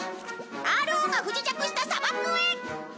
ＲＯが不時着した砂漠へ。